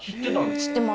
知ってます。